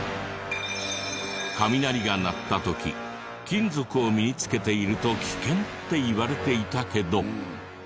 雷が鳴った時金属を身に着けていると危険っていわれていたけど。